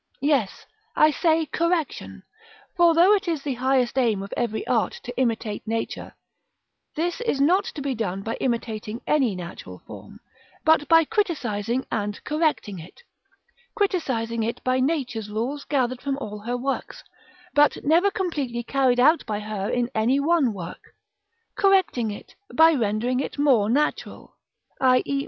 Yes, I say correction, for though it is the highest aim of every art to imitate nature, this is not to be done by imitating any natural form, but by criticising and correcting it, criticising it by Nature's rules gathered from all her works, but never completely carried out by her in any one work; correcting it, by rendering it more natural, _i.e.